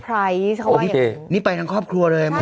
ไพรส์โอพิเตยนี่ไปทั้งครอบครัวเลย